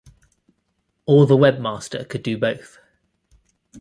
Or the webmaster could do both.